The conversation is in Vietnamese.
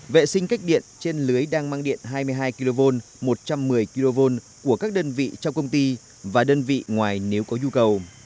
vệ sinh cách điện trên lưới đang mang điện hai mươi hai kv một trăm một mươi kv của các đơn vị trong công ty và đơn vị ngoài nếu có nhu cầu